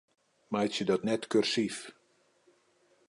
Meitsje dat net kursyf.